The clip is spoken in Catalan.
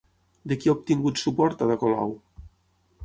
De qui ha obtingut suport Ada Colau?